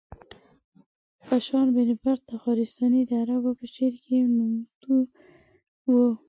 بشار بن برد تخارستاني د عربو په شعر کې نوموتی و.